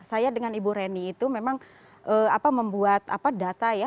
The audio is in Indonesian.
saya dengan ibu reni itu memang membuat data ya